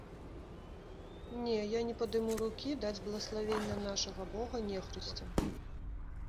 Не, я не падыму рукі даць благаславення нашага бога нехрысцям!